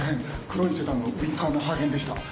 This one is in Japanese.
黒いセダンのウインカーの破片でした。